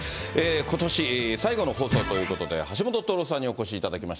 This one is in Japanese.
ことし最後の放送ということで、橋下徹さんにお越しいただきました。